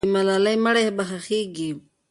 د ملالۍ مړی به ښخېږي.